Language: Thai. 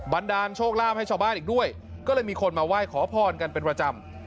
ดาลโชคลาภให้ชาวบ้านอีกด้วยก็เลยมีคนมาไหว้ขอพรกันเป็นประจำ